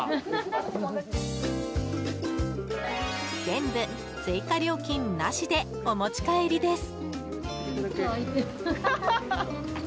全部、追加料金なしでお持ち帰りです！